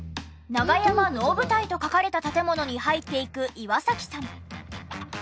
「長山能舞台」と書かれた建物に入っていく岩崎さん。